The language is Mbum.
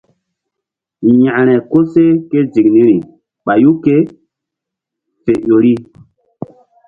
Yȩkre koseh ké ziŋ niri ɓayu ké fe ƴo ri.